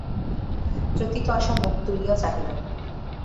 চকিত আশা মুখ তুলিয় চাহিল।